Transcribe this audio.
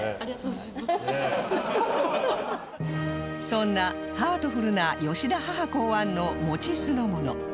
そんなハートフルな吉田母考案のもち酢の物